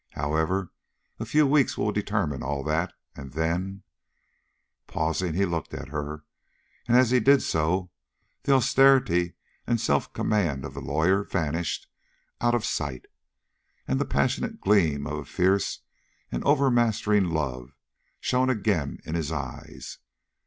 However, a few weeks will determine all that, and then " Pausing, he looked at her, and, as he did so, the austerity and self command of the lawyer vanished out of sight, and the passionate gleam of a fierce and overmastering love shone again in his eyes.